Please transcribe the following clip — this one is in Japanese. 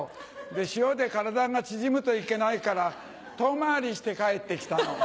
塩で体が縮むといけないから遠回りして帰ってきたの。